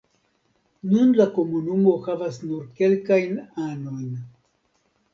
Nun la komunumo havas nur kelkajn anojn.